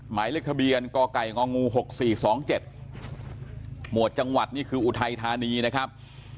หมายเลขทะเบียนกไก่ง๖๔๒๗หมวดจังหวัดนี่คืออุทัยธานีนะครับ